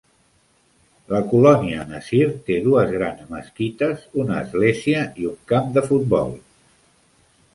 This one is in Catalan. La colònia Nasir té dues grans mesquites, una església i un camp de futbol.